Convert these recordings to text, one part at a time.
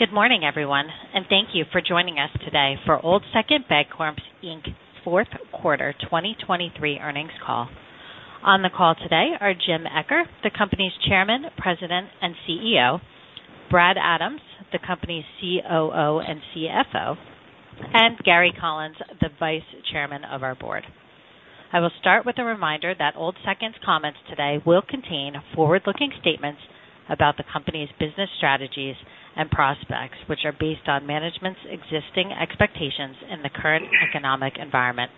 Good morning, everyone, and thank you for joining us today for Old Second Bancorp, Inc.'s fourth quarter 2023 earnings call. On the call today are James Eccher, the company's Chairman, President, and CEO. Brad Adams, the company's COO and CFO. And Gary Collins, the Vice Chairman of our board. I will start with a reminder that Old Second's comments today will contain forward-looking statements about the company's business strategies and prospects, which are based on management's existing expectations in the current economic environment.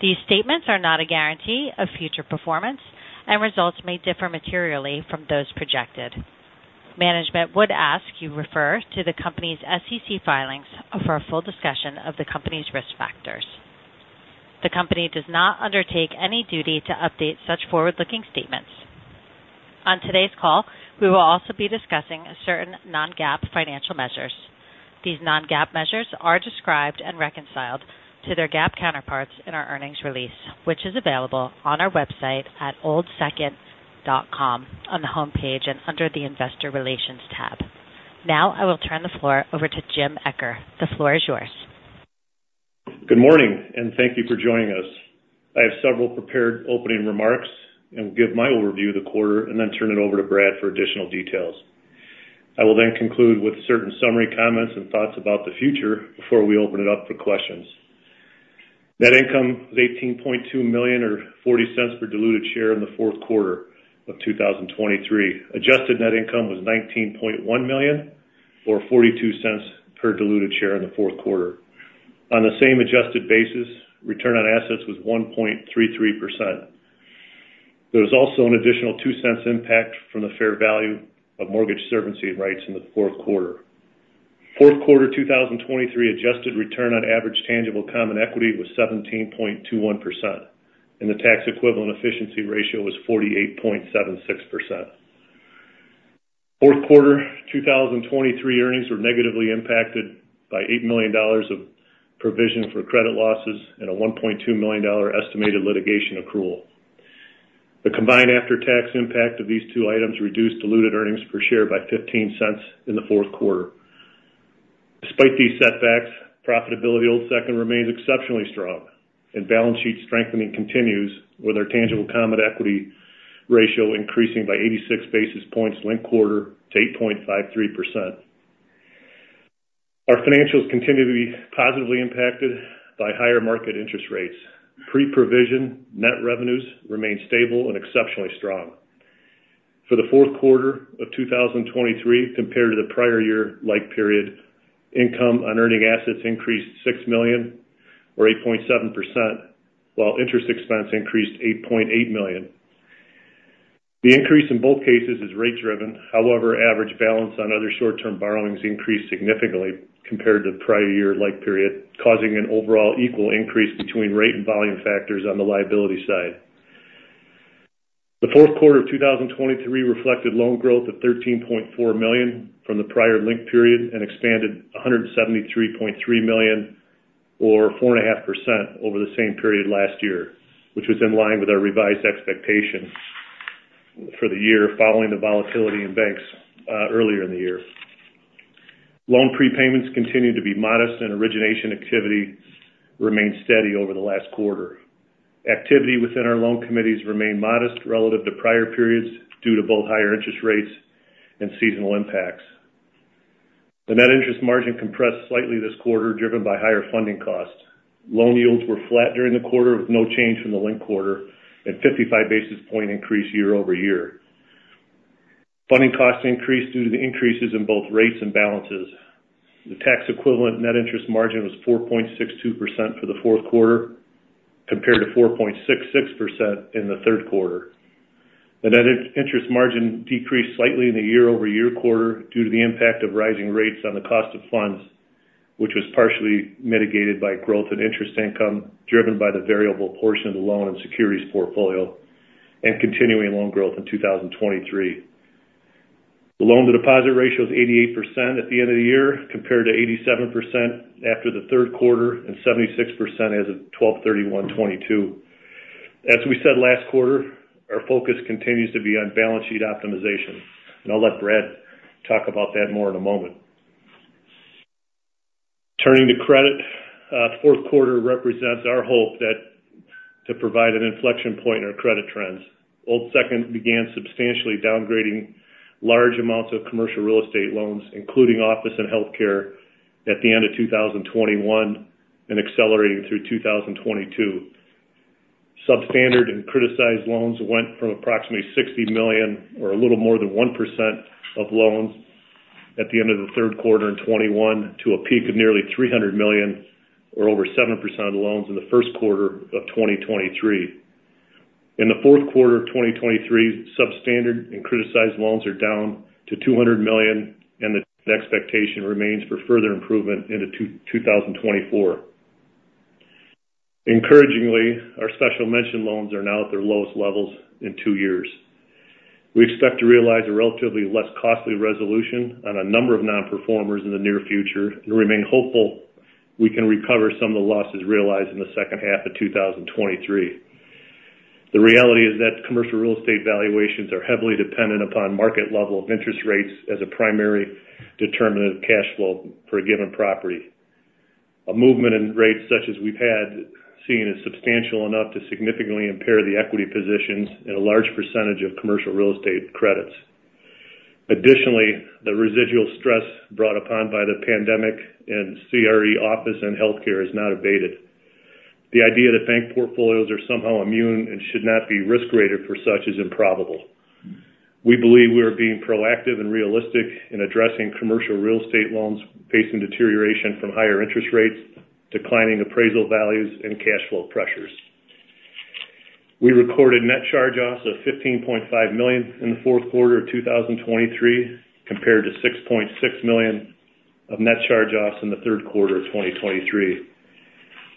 These statements are not a guarantee of future performance, and results may differ materially from those projected. Management would ask you refer to the company's SEC filings for a full discussion of the company's risk factors. The company does not undertake any duty to update such forward-looking statements. On today's call, we will also be discussing certain non-GAAP financial measures. These non-GAAP measures are described and reconciled to their GAAP counterparts in our earnings release, which is available on our website at oldsecond.com on the homepage and under the Investor Relations tab. Now, I will turn the floor over to James Eccher. The floor is yours. Good morning, and thank you for joining us. I have several prepared opening remarks and will give my overview of the quarter and then turn it over to Brad for additional details. I will then conclude with certain summary comments and thoughts about the future before we open it up for questions. Net income was $18.2 million, or $0.40 per diluted share in the fourth quarter of 2023. Adjusted net income was $19.1 million, or $0.42 per diluted share in the fourth quarter. On the same adjusted basis, return on assets was 1.33%. There was also an additional $0.02 impact from the fair value of mortgage servicing rights in the fourth quarter. Fourth quarter 2023 adjusted return on average tangible common equity was 17.21%, and the tax equivalent efficiency ratio was 48.76%. Fourth quarter 2023 earnings were negatively impacted by $8 million of provision for credit losses and a $1.2 million estimated litigation accrual. The combined after-tax impact of these two items reduced diluted earnings per share by $0.15 in the fourth quarter. Despite these setbacks, profitability at Old Second remains exceptionally strong and balance sheet strengthening continues with our tangible common equity ratio increasing by 86 basis points linked quarter to 8.53%. Our financials continue to be positively impacted by higher market interest rates. Pre-provision net revenues remain stable and exceptionally strong. For the fourth quarter of 2023 compared to the prior year-ago period, income on earning assets increased $6 million or 8.7%, while interest expense increased $8.8 million. The increase in both cases is rate driven. However, average balance on other short-term borrowings increased significantly compared to the prior year-ago period, causing an overall equal increase between rate and volume factors on the liability side. The fourth quarter of 2023 reflected loan growth of $13.4 million from the prior linked period and expanded $173.3 million or 4.5% over the same period last year, which was in line with our revised expectations for the year following the volatility in banks earlier in the year. Loan prepayments continued to be modest and origination activity remained steady over the last quarter. Activity within our loan committees remained modest relative to prior periods due to both higher interest rates and seasonal impacts. The net interest margin compressed slightly this quarter, driven by higher funding costs. Loan yields were flat during the quarter, with no change from the linked quarter and 55 basis point increase year over year. Funding costs increased due to the increases in both rates and balances. The tax equivalent net interest margin was 4.62% for the fourth quarter, compared to 4.66% in the third quarter. The net interest margin decreased slightly in the year-over-year quarter due to the impact of rising rates on the cost of funds, which was partially mitigated by growth in interest income driven by the variable portion of the loan and securities portfolio and continuing loan growth in 2023. The loan-to-deposit ratio is 88% at the end of the year, compared to 87% after the third quarter and 76% as of 12/31/2022. As we said last quarter, our focus continues to be on balance sheet optimization, and I'll let Brad talk about that more in a moment. Turning to credit, fourth quarter represents our hope that to provide an inflection point in our credit trends. Old Second began substantially downgrading large amounts of commercial real estate loans, including office and healthcare, at the end of 2021 and accelerating through 2022. Substandard and criticized loans went from approximately $60 million, or a little more than 1% of loans at the end of the third quarter in 2021, to a peak of nearly $300 million, or over 7% of the loans, in the first quarter of 2023. In the fourth quarter of 2023, substandard and criticized loans are down to $200 million, and the expectation remains for further improvement into 2024. Encouragingly, our special mention loans are now at their lowest levels in two years. We expect to realize a relatively less costly resolution on a number of non-performers in the near future and remain hopeful we can recover some of the losses realized in the second half of 2023. The reality is that commercial real estate valuations are heavily dependent upon market level of interest rates as a primary determinant of cash flow for a given property. A movement in rates such as we've had, seen as substantial enough to significantly impair the equity positions in a large percentage of commercial real estate credits. Additionally, the residual stress brought upon by the pandemic and CRE office and healthcare is not abated. The idea that bank portfolios are somehow immune and should not be risk-graded for such is improbable. We believe we are being proactive and realistic in addressing commercial real estate loans facing deterioration from higher interest rates, declining appraisal values, and cash flow pressures. We recorded net charge-offs of $15.5 million in the fourth quarter of 2023, compared to $6.6 million of net charge-offs in the third quarter of 2023.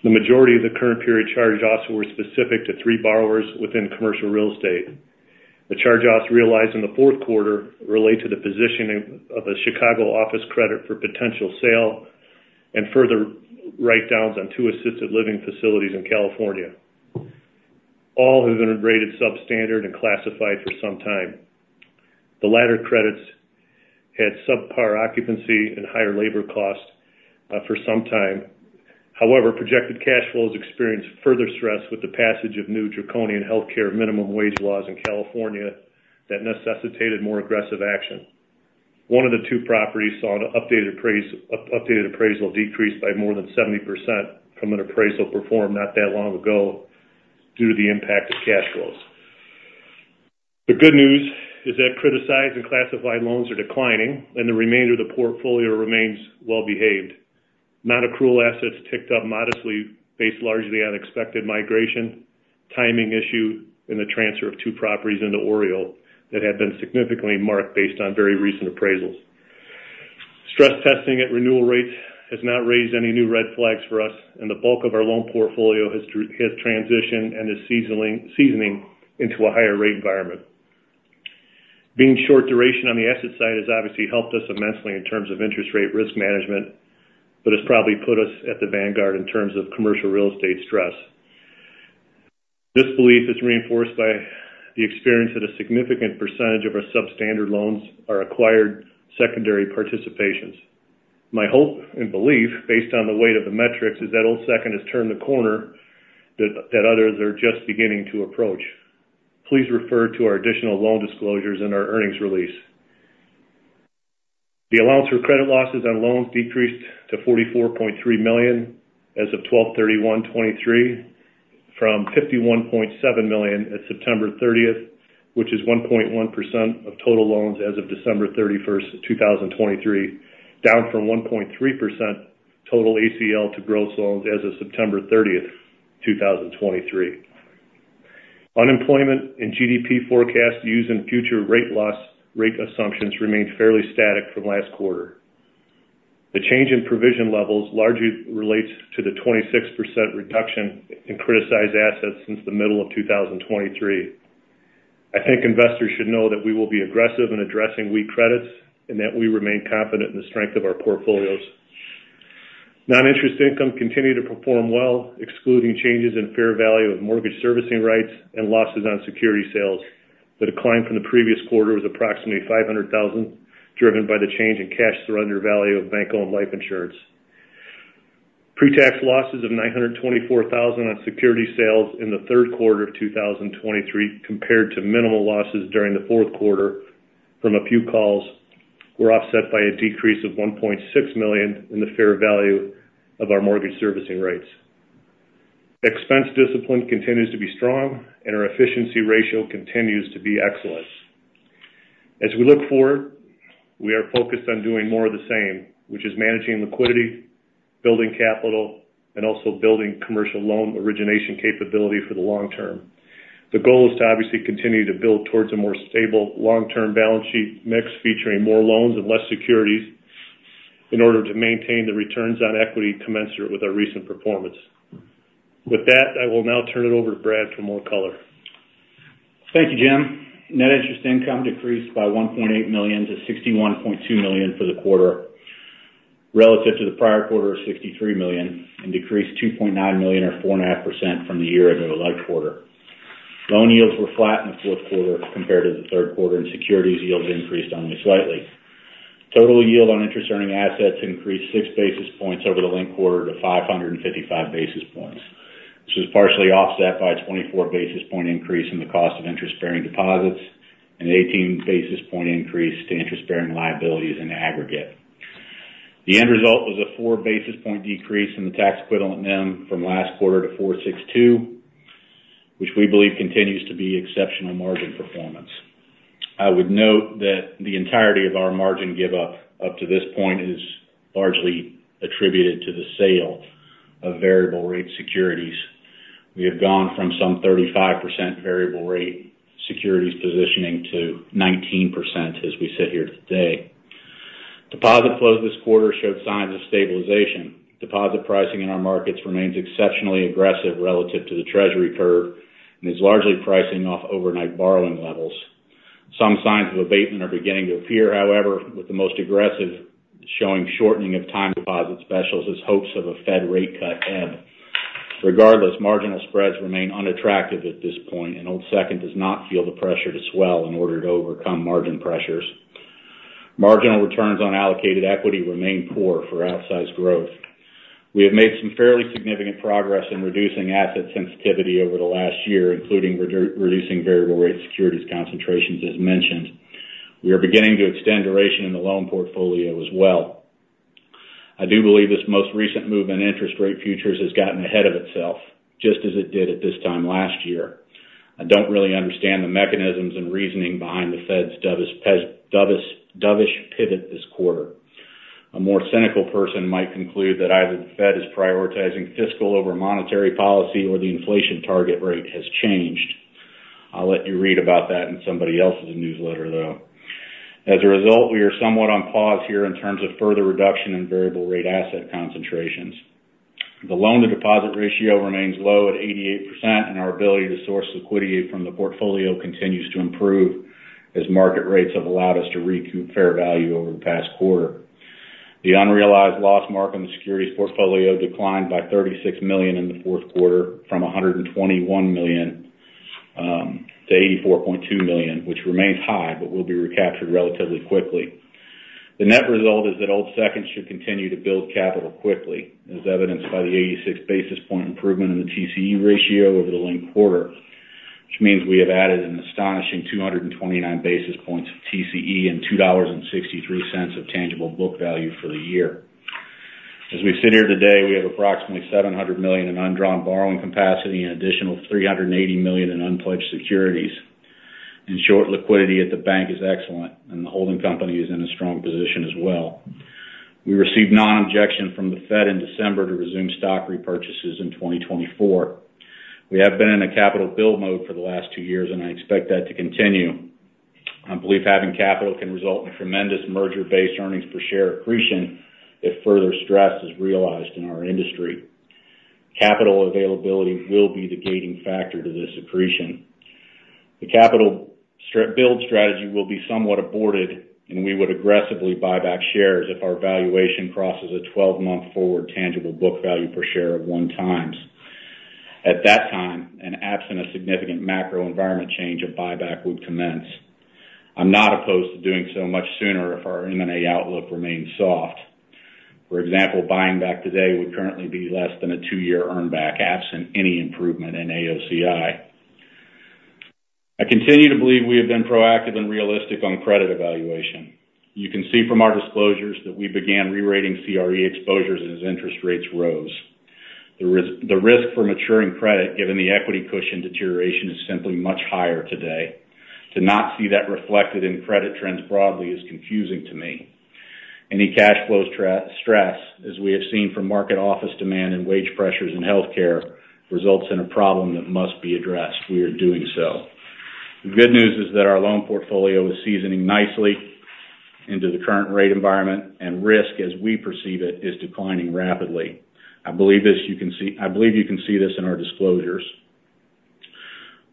The majority of the current period charge-offs were specific to three borrowers within commercial real estate. The charge-offs realized in the fourth quarter relate to the positioning of a Chicago office credit for potential sale and further write-downs on two assisted living facilities in California. All have been rated substandard and classified for some time. The latter credits had subpar occupancy and higher labor costs for some time. However, projected cash flows experienced further stress with the passage of new draconian healthcare minimum wage laws in California that necessitated more aggressive action. One of the two properties saw an updated appraisal decrease by more than 70% from an appraisal performed not that long ago due to the impact of cash flows. The good news is that criticized and classified loans are declining, and the remainder of the portfolio remains well-behaved. Nonaccrual assets ticked up modestly, based largely on expected migration, timing issue, and the transfer of two properties into OREO that had been significantly marked based on very recent appraisals. Stress testing at renewal rates has not raised any new red flags for us, and the bulk of our loan portfolio has transitioned and is seasoning into a higher rate environment. Being short duration on the asset side has obviously helped us immensely in terms of interest rate risk management, but has probably put us at the vanguard in terms of commercial real estate stress. This belief is reinforced by the experience that a significant percentage of our substandard loans are acquired secondary participations. My hope and belief, based on the weight of the metrics, is that Old Second has turned the corner that others are just beginning to approach. Please refer to our additional loan disclosures in our earnings release. The allowance for credit losses on loans decreased to $44.3 million as of 12/31/2023, from $51.7 million at September 30, which is 1.1% of total loans as of December 31, 2023, down from 1.3% total ACL to gross loans as of September 30, 2023. Unemployment and GDP forecasts used in future rate assumptions remained fairly static from last quarter. The change in provision levels largely relates to the 26% reduction in criticized assets since the middle of 2023. I think investors should know that we will be aggressive in addressing weak credits and that we remain confident in the strength of our portfolios. Non-interest income continued to perform well, excluding changes in fair value of mortgage servicing rights and losses on security sales. The decline from the previous quarter was approximately $500,000, driven by the change in cash surrender value of bank-owned life insurance. Pre-tax losses of $924,000 on security sales in the third quarter of 2023, compared to minimal losses during the fourth quarter from a few calls, were offset by a decrease of $1.6 million in the fair value of our mortgage servicing rights. Expense discipline continues to be strong, and our efficiency ratio continues to be excellent. As we look forward, we are focused on doing more of the same, which is managing liquidity, building capital, and also building commercial loan origination capability for the long term. The goal is to obviously continue to build towards a more stable long-term balance sheet mix, featuring more loans and less securities, in order to maintain the returns on equity commensurate with our recent performance. With that, I will now turn it over to Brad for more color. Thank you, James. Net interest income decreased by $1.8 million to $61.2 million for the quarter, relative to the prior quarter of $63 million, and decreased $2.9 million or 4.5% from the year-end of the last quarter. Loan yields were flat in the fourth quarter compared to the third quarter, and securities yields increased only slightly. Total yield on interest-earning assets increased 6 basis points over the linked quarter to 555 basis points. This was partially offset by a 24 basis point increase in the cost of interest-bearing deposits and 18 basis point increase to interest-bearing liabilities in aggregate. The end result was a 4 basis point decrease in the tax equivalent NIM from last quarter to 462, which we believe continues to be exceptional margin performance. I would note that the entirety of our margin give up, up to this point, is largely attributed to the sale of variable rate securities. We have gone from some 35% variable rate securities positioning to 19% as we sit here today. Deposit flows this quarter showed signs of stabilization. Deposit pricing in our markets remains exceptionally aggressive relative to the Treasury curve and is largely pricing off overnight borrowing levels. Some signs of abatement are beginning to appear, however, with the most aggressive showing shortening of time deposit specials as hopes of a Fed rate cut end. Regardless, marginal spreads remain unattractive at this point, and Old Second does not feel the pressure to swell in order to overcome margin pressures. Marginal returns on allocated equity remain poor for outsized growth. We have made some fairly significant progress in reducing asset sensitivity over the last year, including reducing variable rate securities concentrations, as mentioned. We are beginning to extend duration in the loan portfolio as well. I do believe this most recent move in interest rate futures has gotten ahead of itself, just as it did at this time last year. I don't really understand the mechanisms and reasoning behind the Fed's dovish pivot this quarter. A more cynical person might conclude that either the Fed is prioritizing fiscal over monetary policy or the inflation target rate has changed. I'll let you read about that in somebody else's newsletter, though. As a result, we are somewhat on pause here in terms of further reduction in variable rate asset concentrations. The loan-to-deposit ratio remains low at 88%, and our ability to source liquidity from the portfolio continues to improve as market rates have allowed us to recoup fair value over the past quarter. The unrealized loss mark on the securities portfolio declined by $36 million in the fourth quarter from $121 million to $84.2 million, which remains high but will be recaptured relatively quickly. The net result is that Old Second should continue to build capital quickly, as evidenced by the 86 basis point improvement in the TCE ratio over the linked quarter, which means we have added an astonishing 229 basis points of TCE and $2.63 of tangible book value for the year. As we sit here today, we have approximately $700 million in undrawn borrowing capacity and additional $380 million in unpledged securities. In short, liquidity at the bank is excellent, and the holding company is in a strong position as well. We received non-objection from the Fed in December to resume stock repurchases in 2024. We have been in a capital build mode for the last 2 years, and I expect that to continue. I believe having capital can result in tremendous merger-based earnings per share accretion if further stress is realized in our industry. Capital availability will be the gating factor to this accretion. The capital build strategy will be somewhat aborted, and we would aggressively buy back shares if our valuation crosses a 12-month forward tangible book value per share of 1x. At that time, and absent a significant macro environment change, a buyback would commence. I'm not opposed to doing so much sooner if our M&A outlook remains soft. For example, buying back today would currently be less than a two-year earn back, absent any improvement in AOCI. I continue to believe we have been proactive and realistic on credit evaluation. You can see from our disclosures that we began re-rating CRE exposures as interest rates rose. The risk for maturing credit, given the equity cushion deterioration, is simply much higher today. To not see that reflected in credit trends broadly is confusing to me. Any cash flow stress, as we have seen from market office demand and wage pressures in healthcare, results in a problem that must be addressed. We are doing so. The good news is that our loan portfolio is seasoning nicely into the current rate environment, and risk, as we perceive it, is declining rapidly. I believe this, you can see—I believe you can see this in our disclosures.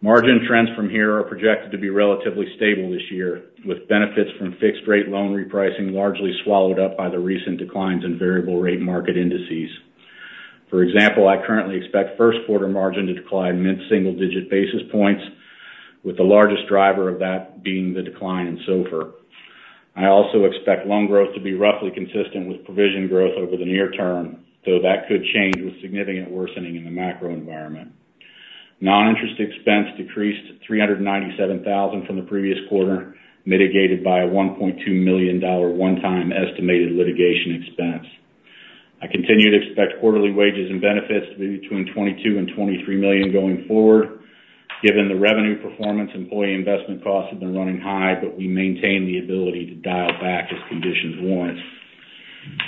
Margin trends from here are projected to be relatively stable this year, with benefits from fixed-rate loan repricing largely swallowed up by the recent declines in variable rate market indices. For example, I currently expect first quarter margin to decline mid-single digit basis points, with the largest driver of that being the decline in SOFR. I also expect loan growth to be roughly consistent with provision growth over the near term, though that could change with significant worsening in the macro environment. Non-interest expense decreased $397,000 from the previous quarter, mitigated by a $1.2 million one-time estimated litigation expense. I continue to expect quarterly wages and benefits to be between $22 million and $23 million going forward. Given the revenue performance, employee investment costs have been running high, but we maintain the ability to dial back as conditions warrant.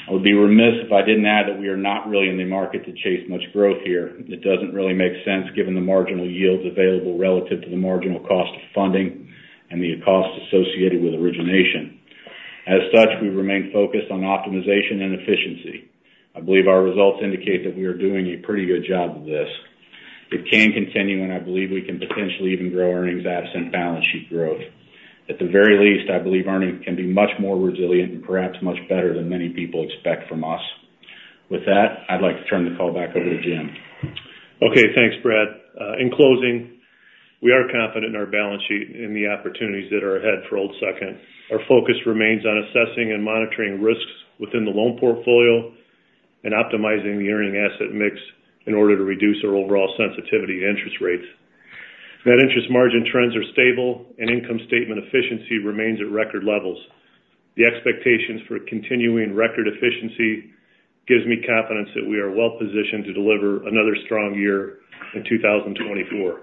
I would be remiss if I didn't add that we are not really in the market to chase much growth here. It doesn't really make sense, given the marginal yields available relative to the marginal cost of funding and the costs associated with origination. As such, we remain focused on optimization and efficiency. I believe our results indicate that we are doing a pretty good job of this. It can continue, and I believe we can potentially even grow earnings absent balance sheet growth. At the very least, I believe earnings can be much more resilient and perhaps much better than many people expect from us. With that, I'd like to turn the call back over to James. Okay, thanks, Brad. In closing, we are confident in our balance sheet and the opportunities that are ahead for Old Second. Our focus remains on assessing and monitoring risks within the loan portfolio and optimizing the earning asset mix in order to reduce our overall sensitivity to interest rates. Net Interest Margin trends are stable, and income statement efficiency remains at record levels. The expectations for continuing record efficiency gives me confidence that we are well positioned to deliver another strong year in 2024.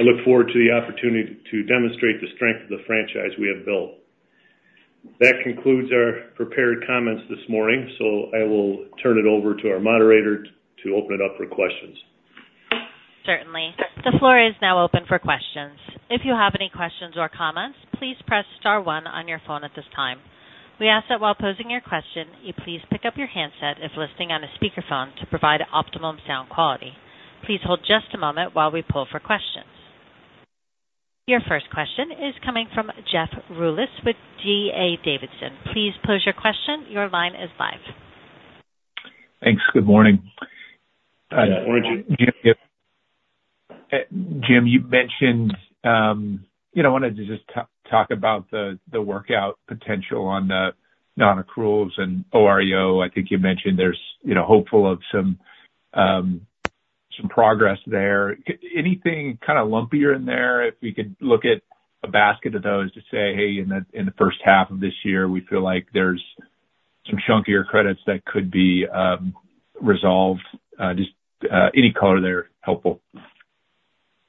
I look forward to the opportunity to demonstrate the strength of the franchise we have built. That concludes our prepared comments this morning, so I will turn it over to our moderator to open it up for questions. Certainly. The floor is now open for questions. If you have any questions or comments, please press star one on your phone at this time.... We ask that while posing your question, you please pick up your handset if listening on a speakerphone to provide optimum sound quality. Please hold just a moment while we pull for questions. Your first question is coming from Jeffrey Rulis with D.A. Davidson. Please pose your question. Your line is live. Thanks. Good morning. Yeah, good morning, Jeffrey. James, you mentioned, you know, I wanted to just talk about the, the workout potential on the non-accruals and OREO. I think you mentioned there's, you know, hopeful of some, some progress there. Anything kind of lumpier in there? If we could look at a basket of those to say, "Hey, in the, in the first half of this year, we feel like there's some chunkier credits that could be, resolved." Just, any color there, helpful. Yeah,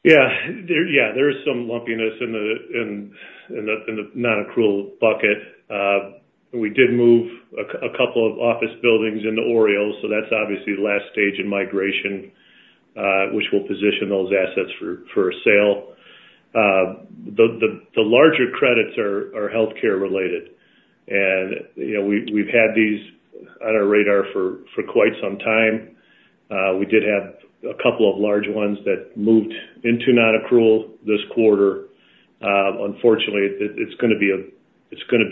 there is some lumpiness in the non-accrual bucket. We did move a couple of office buildings into OREO, so that's obviously the last stage in migration, which will position those assets for a sale. The larger credits are healthcare related, and, you know, we've had these on our radar for quite some time. We did have a couple of large ones that moved into non-accrual this quarter. Unfortunately, it's gonna be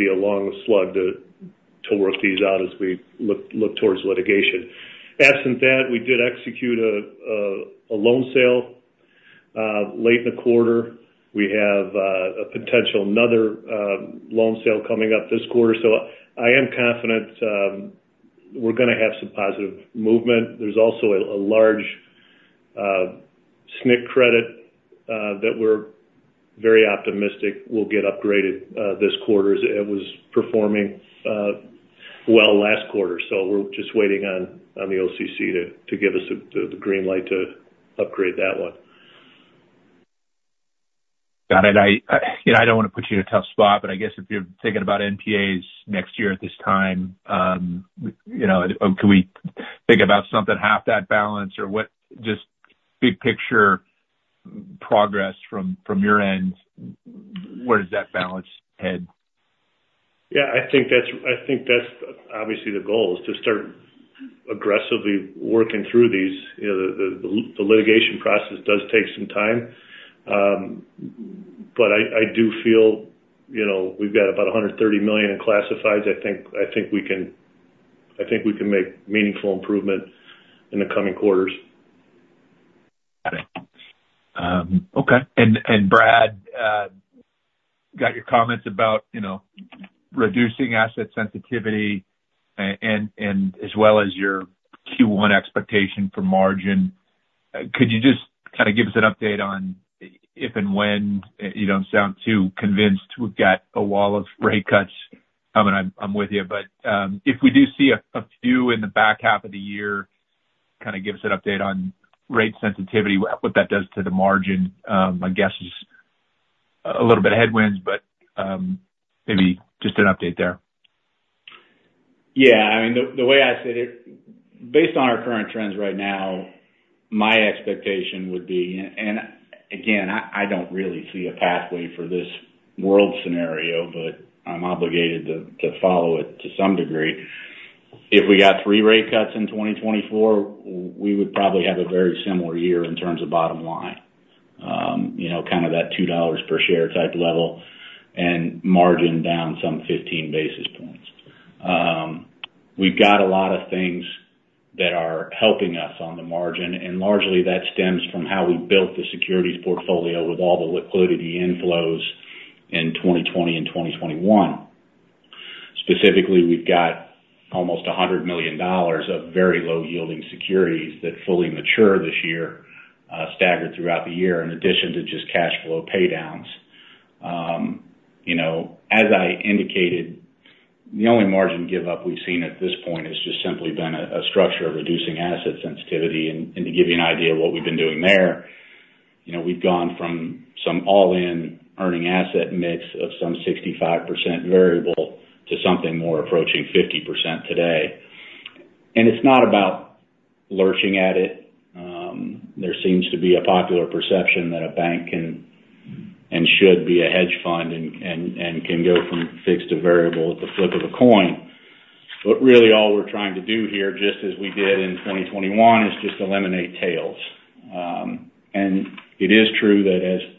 a long slug to work these out as we look towards litigation. Absent that, we did execute a loan sale late in the quarter. We have another potential loan sale coming up this quarter. So I am confident we're gonna have some positive movement. There's also a large SNC credit that we're very optimistic will get upgraded this quarter. It was performing well last quarter, so we're just waiting on the OCC to give us the green light to upgrade that one. Got it. You know, I don't wanna put you in a tough spot, but I guess if you're thinking about NPAs next year at this time, you know, can we think about something half that balance, or what? Just big picture progress from your end, where does that balance head? Yeah, I think that's, I think that's obviously the goal, is to start aggressively working through these. You know, the litigation process does take some time. But I do feel, you know, we've got about $130 million in classifieds. I think, I think we can, I think we can make meaningful improvement in the coming quarters. Got it. Okay. And Brad, got your comments about, you know, reducing asset sensitivity and as well as your Q1 expectation for margin. Could you just kind of give us an update on if and when. You don't sound too convinced we've got a wall of rate cuts coming. I'm with you. But if we do see a few in the back half of the year, kind of give us an update on rate sensitivity, what that does to the margin. My guess is a little bit of headwinds, but maybe just an update there. Yeah, I mean, the way I see it, based on our current trends right now, my expectation would be, and again, I don't really see a pathway for this world scenario, but I'm obligated to follow it to some degree. If we got 3 rate cuts in 2024, we would probably have a very similar year in terms of bottom line. You know, kind of that $2 per share type level and margin down some 15 basis points. We've got a lot of things that are helping us on the margin, and largely, that stems from how we built the securities portfolio with all the liquidity inflows in 2020 and 2021. Specifically, we've got almost $100 million of very low-yielding securities that fully mature this year, staggered throughout the year, in addition to just cash flow pay downs. You know, as I indicated, the only margin give up we've seen at this point has just simply been a structure of reducing asset sensitivity. And to give you an idea of what we've been doing there, you know, we've gone from some all-in earning asset mix of some 65% variable to something more approaching 50% today. And it's not about lurching at it. There seems to be a popular perception that a bank can and should be a hedge fund and can go from fixed to variable at the flip of a coin. But really, all we're trying to do here, just as we did in 2021, is just eliminate tails. And it is true that as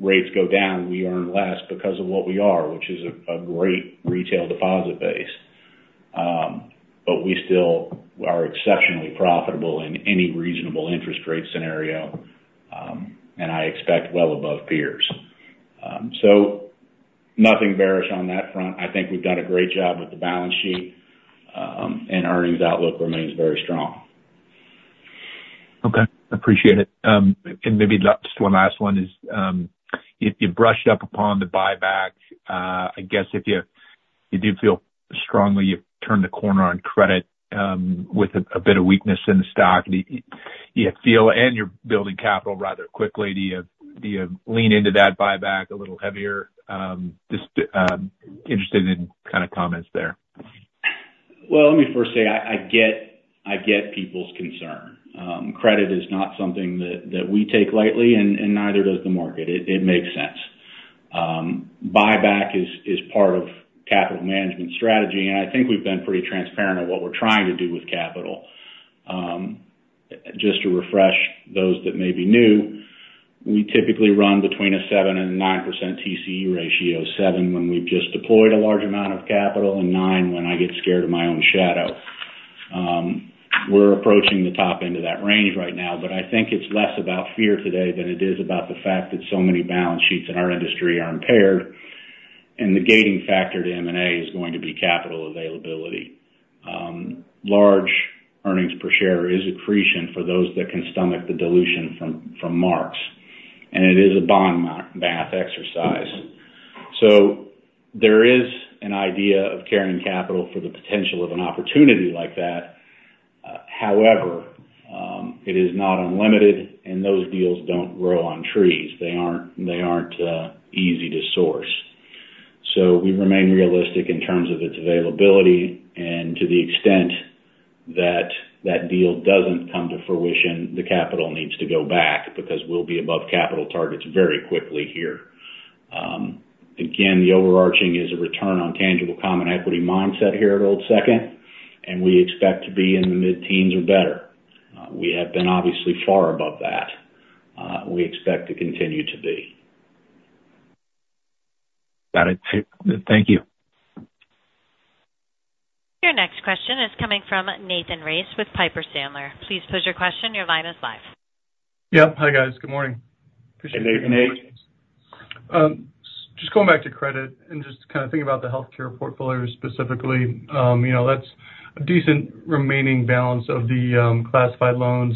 rates go down, we earn less because of what we are, which is a great retail deposit base. But we still are exceptionally profitable in any reasonable interest rate scenario, and I expect well above peers. So nothing bearish on that front. I think we've done a great job with the balance sheet, and earnings outlook remains very strong. Okay, appreciate it. Maybe just one last one is, you brushed up upon the buyback. I guess if you do feel strongly you've turned the corner on credit, with a bit of weakness in the stock, do you feel and you're building capital rather quickly, do you lean into that buyback a little heavier? Just interested in kind of comments there.... Well, let me first say, I, I get, I get people's concern. Credit is not something that, that we take lightly, and, and neither does the market. It, it makes sense. Buyback is, is part of capital management strategy, and I think we've been pretty transparent on what we're trying to do with capital. Just to refresh those that may be new, we typically run between a 7%-9% TCE ratio. Seven when we've just deployed a large amount of capital, and nine when I get scared of my own shadow. We're approaching the top end of that range right now, but I think it's less about fear today than it is about the fact that so many balance sheets in our industry are impaired, and the gating factor to M&A is going to be capital availability. Large earnings per share is accretion for those that can stomach the dilution from marks, and it is a bond math exercise. So there is an idea of carrying capital for the potential of an opportunity like that. However, it is not unlimited, and those deals don't grow on trees. They aren't easy to source. So we remain realistic in terms of its availability, and to the extent that that deal doesn't come to fruition, the capital needs to go back because we'll be above capital targets very quickly here. Again, the overarching is a return on tangible common equity mindset here at Old Second, and we expect to be in the mid-teens or better. We have been obviously far above that, we expect to continue to be. Got it. Thank you. Your next question is coming from Nathan Race with Piper Sandler. Please pose your question. Your line is live. Yeah. Hi, guys. Good morning. Appreciate it. Hey, Nate. Just going back to credit and just kind of thinking about the healthcare portfolio specifically, you know, that's a decent remaining balance of the classified loans.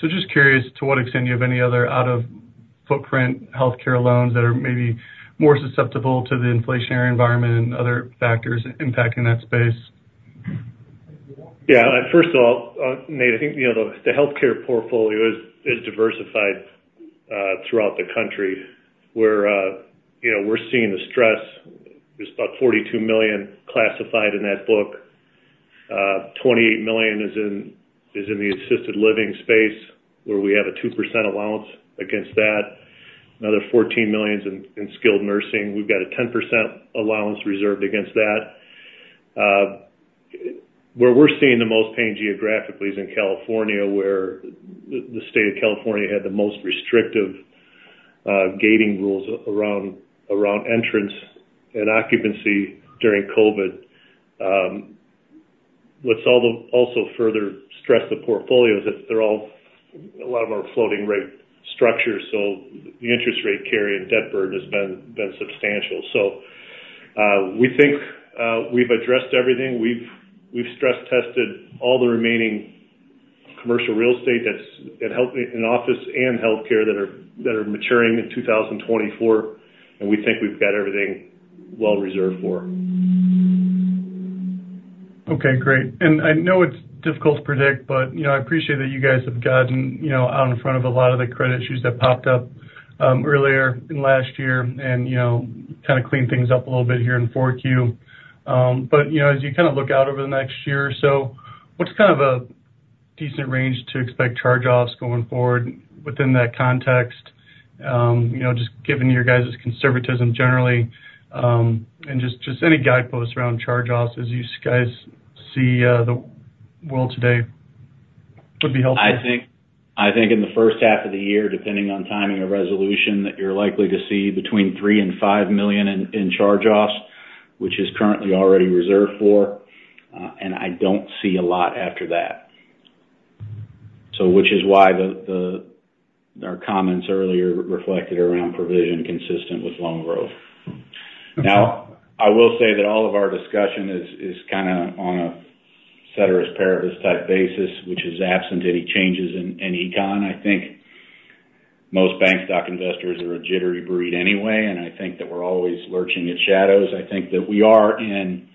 So just curious to what extent you have any other out-of-footprint healthcare loans that are maybe more susceptible to the inflationary environment and other factors impacting that space? Yeah, first of all, Nate, I think, you know, the healthcare portfolio is diversified throughout the country, where, you know, we're seeing the stress. There's about $42 million classified in that book. $28 million is in the assisted living space, where we have a 2% allowance against that. Another $14 million is in skilled nursing. We've got a 10% allowance reserved against that. Where we're seeing the most pain geographically is in California, where the state of California had the most restrictive gating rules around entrance and occupancy during COVID. What's also further stressed the portfolio is that they're all a lot of our floating rate structures, so the interest rate carry and debt burden has been substantial. So, we think we've addressed everything. We've stress tested all the remaining commercial real estate that's that held in office and healthcare that are maturing in 2024, and we think we've got everything well reserved for. Okay, great. And I know it's difficult to predict, but, you know, I appreciate that you guys have gotten, you know, out in front of a lot of the credit issues that popped up, earlier in last year and, you know, kind of cleaned things up a little bit here in 4Q. But, you know, as you kind of look out over the next year or so, what's kind of a decent range to expect charge-offs going forward within that context? You know, just given your guys' conservatism generally, and just, just any guideposts around charge-offs as you guys see, the world today would be helpful. I think, I think in the first half of the year, depending on timing and resolution, that you're likely to see between $3 million and $5 million in charge-offs, which is currently already reserved for, and I don't see a lot after that. So which is why our comments earlier reflected around provision consistent with loan growth. Now, I will say that all of our discussion is kind of on a ceteris paribus type basis, which is absent any changes in econ. I think most bank stock investors are a jittery breed anyway, and I think that we're always lurching at shadows. I think that we are in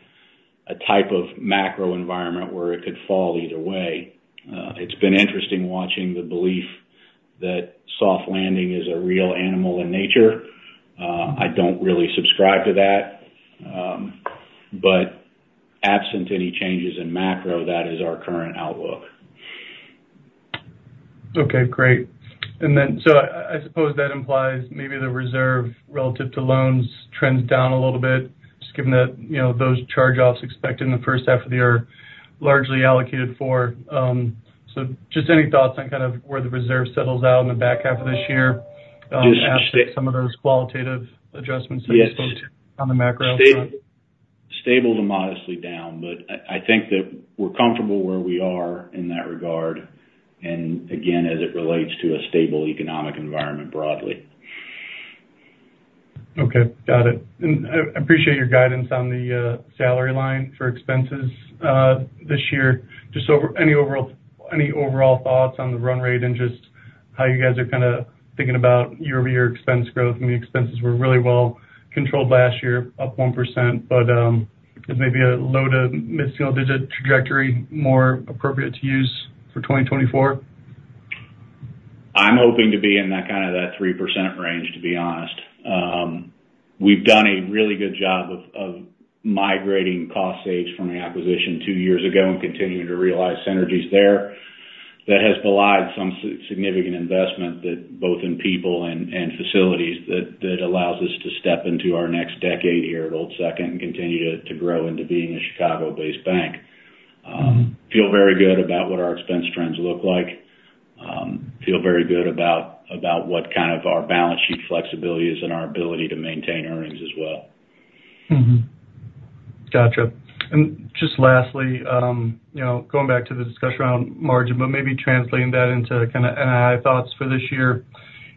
a type of macro environment where it could fall either way. It's been interesting watching the belief that soft landing is a real animal in nature. I don't really subscribe to that. But absent any changes in macro, that is our current outlook. Okay, great. And then, so I suppose that implies maybe the reserve relative to loans trends down a little bit, just given that, you know, those charge-offs expected in the first half of the year are largely allocated for. So just any thoughts on kind of where the reserve settles out in the back half of this year, after some of those qualitative adjustments that you spoke to on the macro front? Stable to modestly down, but I think that we're comfortable where we are in that regard, and again, as it relates to a stable economic environment broadly. Okay, got it. I appreciate your guidance on the salary line for expenses this year. Any overall thoughts on the run rate and just how you guys are kind of thinking about year-over-year expense growth? I mean, expenses were really well controlled last year, up 1%, but is maybe a low to mid-single-digit trajectory more appropriate to use for 2024?... I'm hoping to be in that kind of 3% range, to be honest. We've done a really good job of migrating cost saves from the acquisition two years ago and continuing to realize synergies there. That has belied some significant investment both in people and facilities that allows us to step into our next decade here at Old Second and continue to grow into being a Chicago-based bank. Feel very good about what our expense trends look like. Feel very good about what kind of our balance sheet flexibility is and our ability to maintain earnings as well. Mm-hmm. Gotcha. And just lastly, you know, going back to the discussion around margin, but maybe translating that into kind of NII thoughts for this year.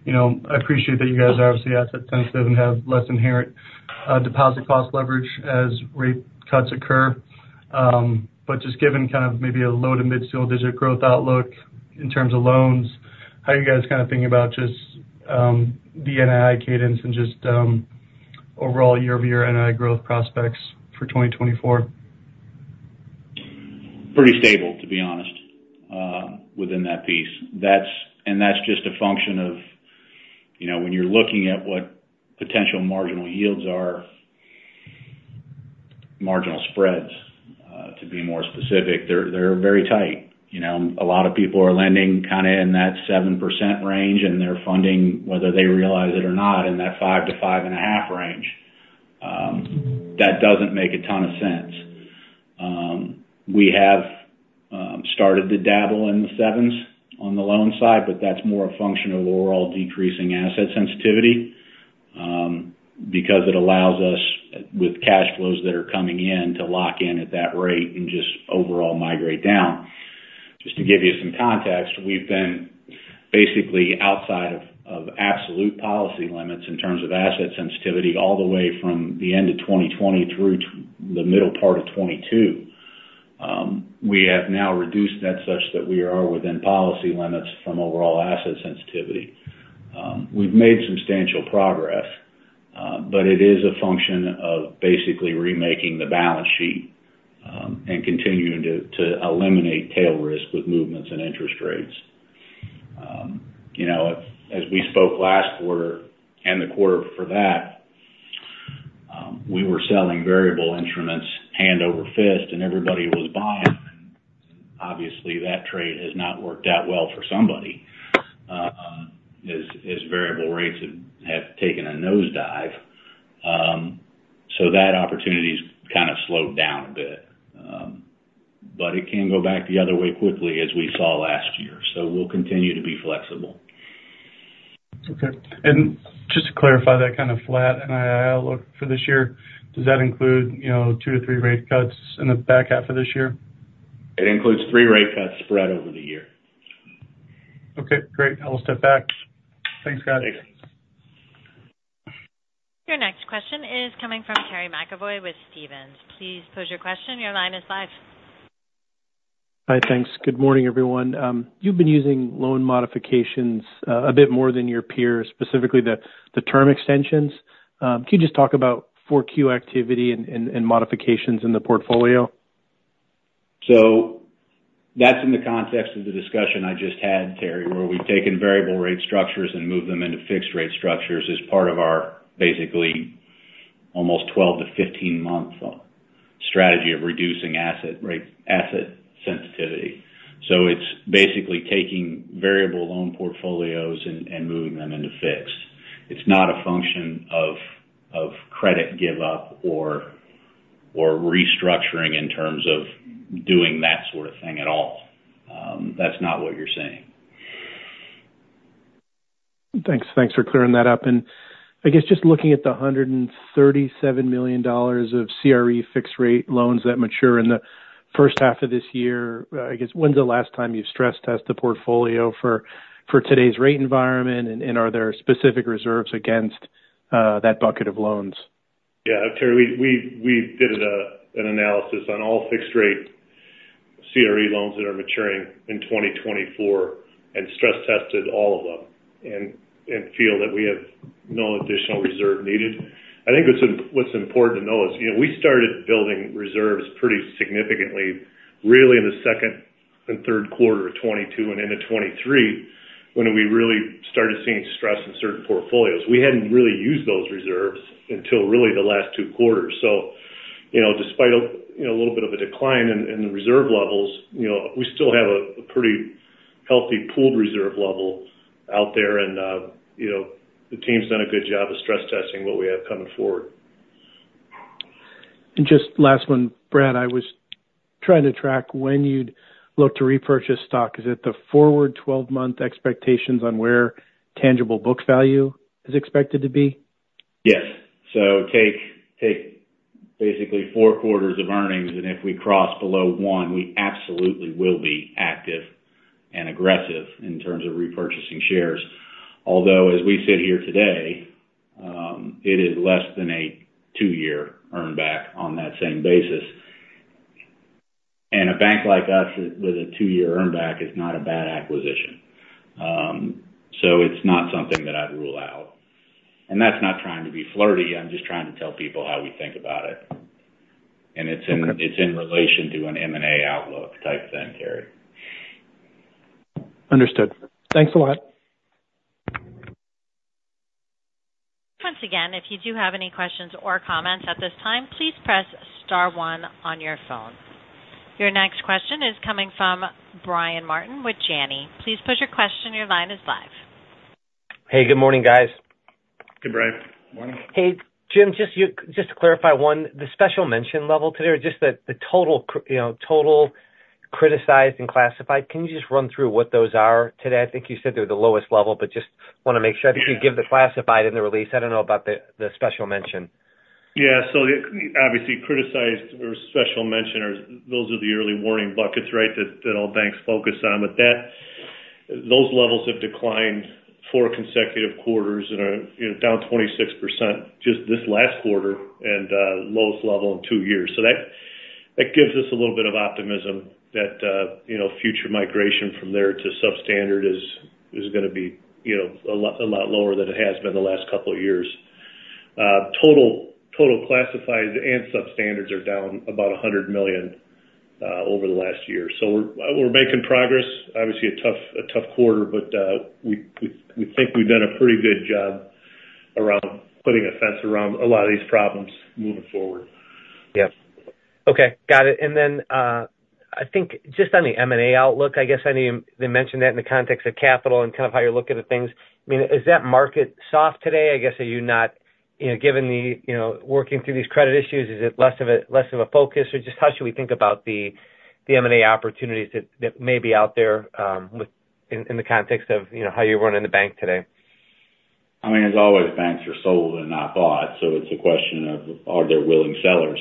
You know, I appreciate that you guys are obviously asset sensitive and have less inherent, deposit cost leverage as rate cuts occur. But just given kind of maybe a low to mid single digit growth outlook in terms of loans, how are you guys kind of thinking about just, the NII cadence and just, overall year-over-year NII growth prospects for 2024? Pretty stable, to be honest, within that piece. That's and that's just a function of, you know, when you're looking at what potential marginal yields are, marginal spreads, to be more specific, they're, they're very tight. You know, a lot of people are lending kind of in that 7% range, and they're funding, whether they realize it or not, in that 5%-5.5% range. That doesn't make a ton of sense. We have started to dabble in the 7s on the loan side, but that's more a function of overall decreasing asset sensitivity, because it allows us, with cash flows that are coming in, to lock in at that rate and just overall migrate down. Just to give you some context, we've been basically outside of absolute policy limits in terms of asset sensitivity, all the way from the end of 2020 through the middle part of 2022. We have now reduced that such that we are within policy limits from overall asset sensitivity. We've made substantial progress, but it is a function of basically remaking the balance sheet, and continuing to eliminate tail risk with movements in interest rates. You know, as we spoke last quarter and the quarter before that, we were selling variable instruments hand over fist, and everybody was buying. Obviously, that trade has not worked out well for somebody, as variable rates have taken a nosedive. So that opportunity's kind of slowed down a bit. But it can go back the other way quickly, as we saw last year, so we'll continue to be flexible. Okay. Just to clarify, that kind of flat NII outlook for this year, does that include, you know, 2-3 rate cuts in the back half of this year? It includes three rate cuts spread over the year. Okay, great. I'll step back. Thanks, guys. Thank you. Your next question is coming from Terry McEvoy with Stephens. Please pose your question. Your line is live. Hi, thanks. Good morning, everyone. You've been using loan modifications a bit more than your peers, specifically the term extensions. Can you just talk about 4Q activity and modifications in the portfolio? So that's in the context of the discussion I just had, Terry, where we've taken variable rate structures and moved them into fixed rate structures as part of our basically almost 12- to 15-month strategy of reducing asset sensitivity. So it's basically taking variable loan portfolios and moving them into fixed. It's not a function of credit give up or restructuring in terms of doing that sort of thing at all. That's not what you're seeing. Thanks. Thanks for clearing that up. And I guess just looking at the $137 million of CRE fixed rate loans that mature in the first half of this year, I guess, when's the last time you stress-tested the portfolio for today's rate environment? And are there specific reserves against that bucket of loans? Yeah, Terry, we did an analysis on all fixed rate CRE loans that are maturing in 2024 and stress tested all of them and feel that we have no additional reserve needed. I think what's important to know is, you know, we started building reserves pretty significantly, really in the second and third quarter of 2022 and into 2023, when we really started seeing stress in certain portfolios. We hadn't really used those reserves until really the last two quarters. So, you know, despite a, you know, a little bit of a decline in the reserve levels, you know, we still have a pretty healthy pooled reserve level out there. And, you know, the team's done a good job of stress testing what we have coming forward. Just last one, Brad, I was trying to track when you'd look to repurchase stock. Is it the forward 12-month expectations on where tangible book value is expected to be? Yes. So take basically four quarters of earnings, and if we cross below one, we absolutely will be active and aggressive in terms of repurchasing shares. Although, as we sit here today, it is less than a two-year earn back on that same basis. And a bank like us with a two-year earn back is not a bad acquisition. So it's not something that I'd rule out. And that's not trying to be flirty. I'm just trying to tell people how we think about it... and it's in relation to an M&A outlook type then, Terry. Understood. Thanks a lot. Once again, if you do have any questions or comments at this time, please press star one on your phone. Your next question is coming from Brian Martin with Janney. Please pose your question. Your line is live. Hey, good morning, guys. Good morning. Morning. Hey, James, just to clarify one, the special mention level today, or just the total you know, total criticized and classified, can you just run through what those are today? I think you said they're the lowest level, but just want to make sure. I think you gave the classified in the release. I don't know about the special mention. Yeah. So it obviously, criticized or special mention are those are the early warning buckets, right? That that all banks focus on. But that those levels have declined four consecutive quarters and are, you know, down 26% just this last quarter and lowest level in two years. So that that gives us a little bit of optimism that you know, future migration from there to substandard is gonna be you know, a lot a lot lower than it has been the last couple of years. Total classified and substandards are down about $100 million over the last year, so we're making progress. Obviously, a tough quarter, but we think we've done a pretty good job around putting a fence around a lot of these problems moving forward. Yep. Okay, got it. And then, I think just on the M&A outlook, I guess, I know you mentioned that in the context of capital and kind of how you're looking at things. I mean, is that market soft today? I guess, are you not, you know, given the, you know, working through these credit issues, is it less of a, less of a focus? Or just how should we think about the, the M&A opportunities that, that may be out there, with, in, in the context of, you know, how you're running the bank today? I mean, as always, banks are sold and not bought, so it's a question of, are there willing sellers?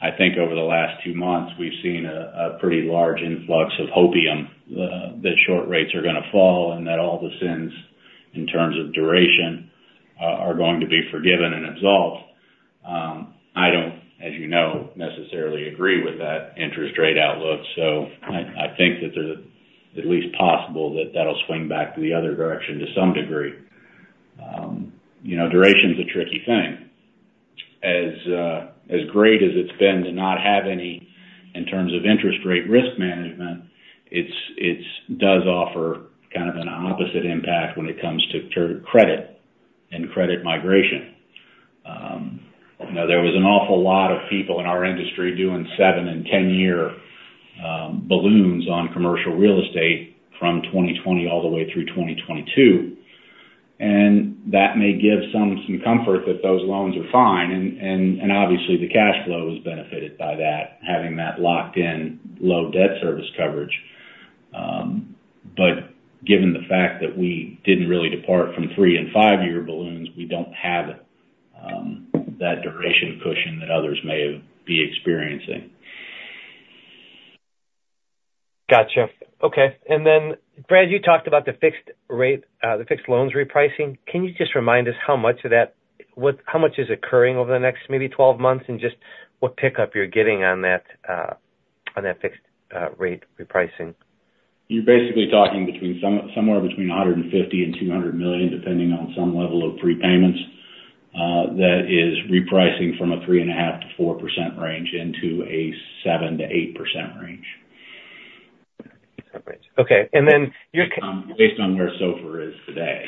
I think over the last two months, we've seen a pretty large influx of hopium that short rates are gonna fall and that all the sins, in terms of duration, are going to be forgiven and absolved. I don't, as you know, necessarily agree with that interest rate outlook, so I think that there's at least possible that that'll swing back to the other direction to some degree. You know, duration is a tricky thing. As, as great as it's been to not have any in terms of interest rate risk management, it does offer kind of an opposite impact when it comes to term credit and credit migration. You know, there was an awful lot of people in our industry doing 7- and 10-year balloons on commercial real estate from 2020 all the way through 2022. And that may give some comfort that those loans are fine and obviously, the cash flow was benefited by that, having that locked-in, low debt service coverage. But given the fact that we didn't really depart from 3- and 5-year balloons, we don't have that duration cushion that others may be experiencing. Gotcha. Okay. And then, Brad, you talked about the fixed rate, the fixed loans repricing. Can you just remind us how much of that... How much is occurring over the next maybe 12 months, and just what pickup you're getting on that, on that fixed rate repricing? You're basically talking somewhere between $150 million and $200 million, depending on some level of prepayments, that is repricing from a 3.5%-4% range into a 7%-8% range. Okay, and then your- Based on where SOFR is today.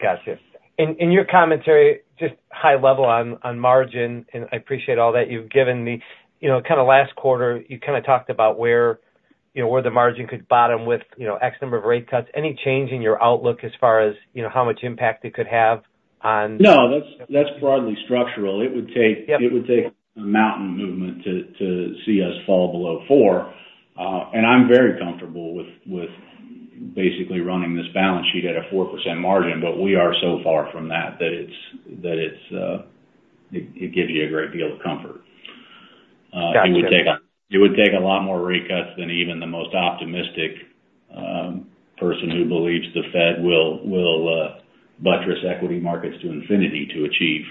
Gotcha. In your commentary, just high level on margin, and I appreciate all that you've given me. You know, kind of last quarter, you kind of talked about where, you know, where the margin could bottom with, you know, X number of rate cuts. Any change in your outlook as far as, you know, how much impact it could have on- No, that's, that's broadly structural. Yep. It would take a mountain movement to see us fall below 4. And I'm very comfortable with basically running this balance sheet at a 4% margin, but we are so far from that, it gives you a great deal of comfort. Got you. It would take a lot more rate cuts than even the most optimistic person who believes the Fed will buttress equity markets to infinity to achieve,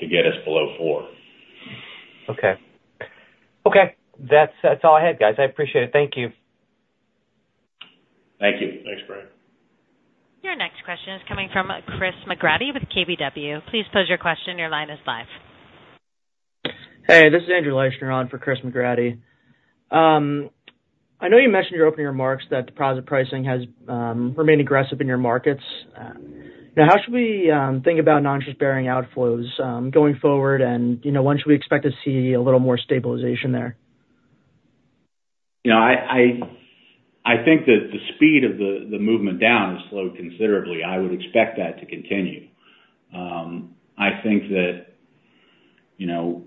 to get us below four. Okay. Okay, that's, that's all I had, guys. I appreciate it. Thank you. Thank you. Thanks, Brian. Your next question is coming from Chris McGratty with KBW. Please pose your question. Your line is live. Hey, this is Andrew Leischner on for Chris McGratty. I know you mentioned in your opening remarks that deposit pricing has remained aggressive in your markets. Now, how should we think about non-interest-bearing outflows going forward? And, you know, when should we expect to see a little more stabilization there? You know, I think that the speed of the movement down has slowed considerably. I would expect that to continue. I think that, you know,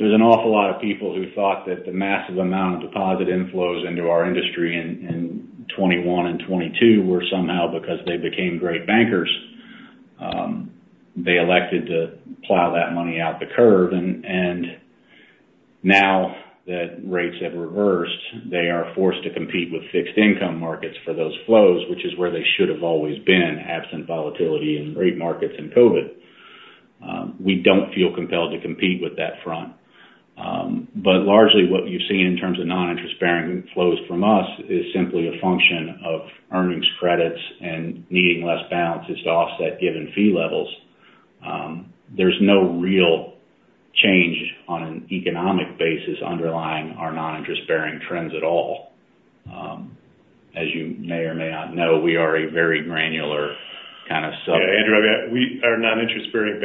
there's an awful lot of people who thought that the massive amount of deposit inflows into our industry in 2021 and 2022 were somehow because they became great bankers. They elected to plow that money out the curve and now that rates have reversed, they are forced to compete with fixed income markets for those flows, which is where they should have always been, absent volatility in rate markets and COVID. We don't feel compelled to compete with that front. But largely what you've seen in terms of non-interest-bearing flows from us is simply a function of earnings credits and needing less balances to offset given fee levels. There's no real change on an economic basis underlying our non-interest-bearing trends at all. As you may or may not know, we are a very granular kind of sub- Yeah, Andrew, our non-interest-bearing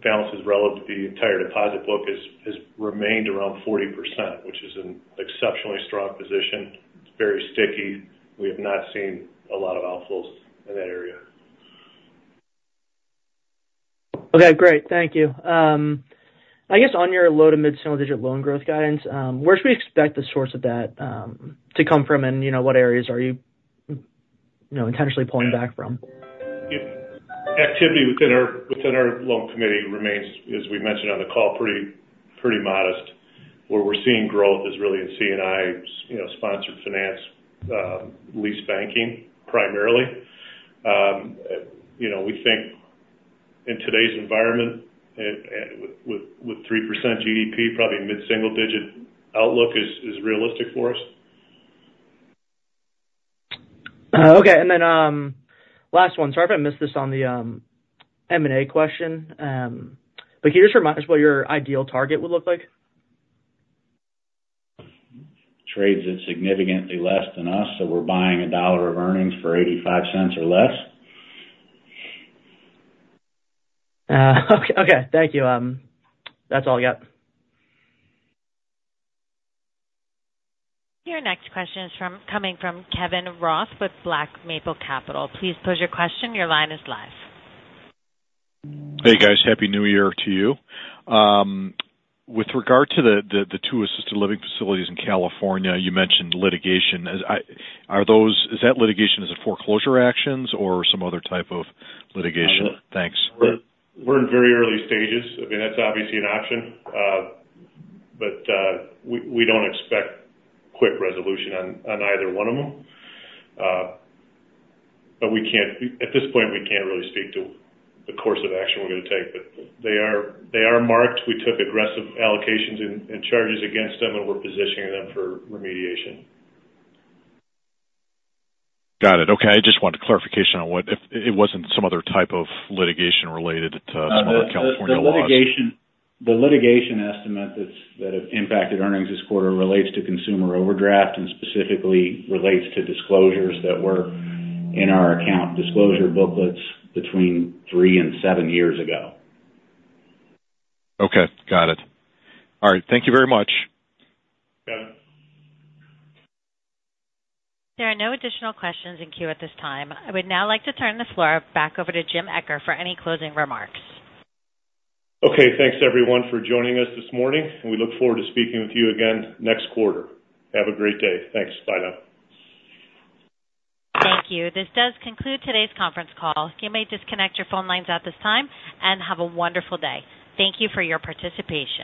balances relative to the entire deposit book has remained around 40%, which is an exceptionally strong position. It's very sticky. We have not seen a lot of outflows in that area. Okay, great. Thank you. I guess on your low- to mid-single-digit loan growth guidance, where should we expect the source of that to come from? And, you know, what areas are you, you know, intentionally pulling back from? Yeah. Activity within our, within our loan committee remains, as we mentioned on the call, pretty, pretty modest. Where we're seeing growth is really in C&I, you know, sponsor finance, lease banking, primarily. You know, we think in today's environment and, and with, with, 3% GDP, probably a mid-single digit outlook is, is realistic for us. Okay. And then, last one. Sorry if I missed this on the M&A question, but can you just remind us what your ideal target would look like? Trades at significantly less than us, so we're buying $1 of earnings for $0.85 or less. Okay, thank you. That's all I got. Your next question is coming from Kevin Roth with Black Maple Capital. Please pose your question. Your line is live. Hey, guys. Happy New Year to you. With regard to the two assisted living facilities in California, you mentioned litigation. Is that litigation as foreclosure actions or some other type of litigation? Thanks. We're in very early stages. I mean, that's obviously an option, but we don't expect quick resolution on either one of them. But we can't, at this point, we can't really speak to the course of action we're going to take, but they are marked. We took aggressive allocations and charges against them, and we're positioning them for remediation. Got it. Okay. I just wanted clarification on what, if it wasn't some other type of litigation related to some other California laws. The litigation estimate that has impacted earnings this quarter relates to consumer overdraft, and specifically relates to disclosures that were in our account disclosure booklets between three and seven years ago. Okay, got it. All right. Thank you very much. Yeah. There are no additional questions in queue at this time. I would now like to turn the floor back over to James Eccher for any closing remarks. Okay. Thanks, everyone, for joining us this morning, and we look forward to speaking with you again next quarter. Have a great day. Thanks. Bye now. Thank you. This does conclude today's conference call. You may disconnect your phone lines at this time, and have a wonderful day. Thank you for your participation.